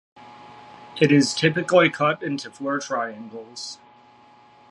It is typically cut into four triangles.